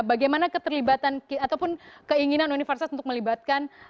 bagaimana keterlibatan ataupun keinginan universitas untuk melibatkan